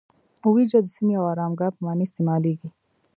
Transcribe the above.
اویجه د سیمې او آرامګاه په معنی استعمالیږي.